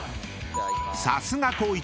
［さすが光一。